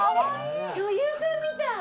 ・女優さんみたい